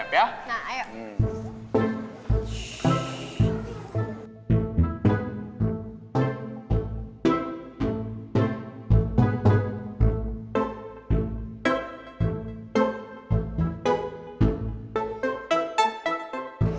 untuk sanksi selotong